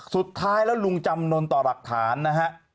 สุดท้ายแล้วลุงจำนวนต่อหลักฐานนะฮะ